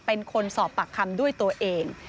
เป็นคนสอบปากคำด้วยตัวเอง